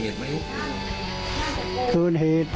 ทำเกินตัวเหตุไหม